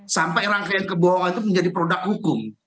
sampai rangkaian kebohongan itu menjadi produk hukum